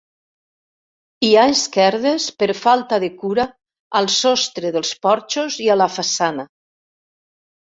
Hi ha esquerdes per falta de cura al sostre dels porxos i a la façana.